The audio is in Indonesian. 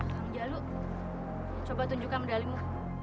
sang jaluh coba tunjukkan medalimu